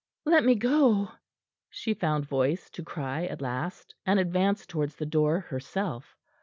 "Let me go!" she found voice to cry at last, and advanced towards the door herself.